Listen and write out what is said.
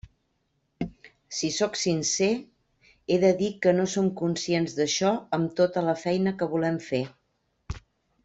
Si sóc sincer, he de dir que no som conscients d'això amb tota la feina que volem fer.